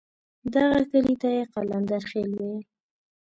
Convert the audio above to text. دغه کلي ته یې قلندرخېل ویل.